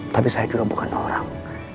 tapi saya juga bukan orang